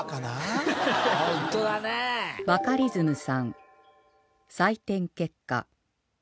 バカリズムさん採点結果